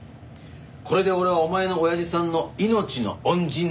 これで俺はお前の親父さんの命の恩人だ。